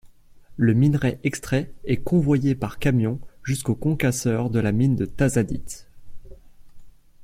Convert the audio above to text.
Le minerai extrait est convoyé par camion jusqu'au concasseur de la mine de Tazadit.